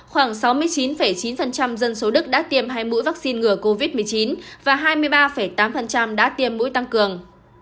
khoảng sáu mươi chín chín dân số đức đã tiêm hai mũi vaccine ngừa covid một mươi chín và hai mươi ba tám đã tiêm mũi tăng cường